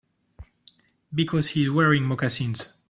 Because he's wearing moccasins.